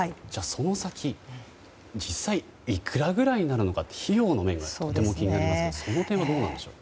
その先、実際いくらぐらいになるのか費用の面とても気になりますがどうなんでしょう。